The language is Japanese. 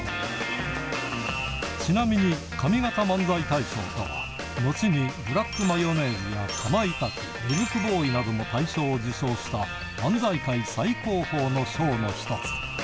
ちなみに上方漫才大賞とは、のちにブラックマヨネーズやかまいたち、ミルクボーイなども大賞を受賞した漫才界最高峰の賞の一つ。